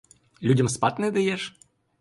Людям спати не даєш?